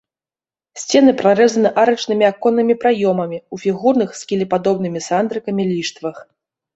Сцены прарэзаны арачнымі аконнымі праёмамі ў фігурных з кілепадобнымі сандрыкамі ліштвах.